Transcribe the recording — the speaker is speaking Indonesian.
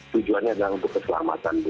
tujuannya adalah untuk keselamatan